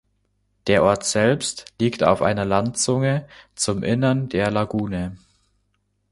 Der Ort selbst liegt auf einer Landzunge zum Innern der Lagune.